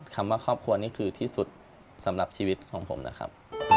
คำว่าครอบครัวนี่คือที่สุดสำหรับชีวิตของผมนะครับ